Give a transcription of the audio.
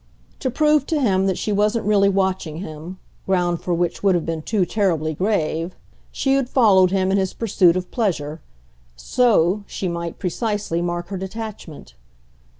To prove to him that she wasn't really watching him ground for which would have been too terribly grave she had followed him in his pursuit of pleasure: SO she might, precisely, mark her detachment.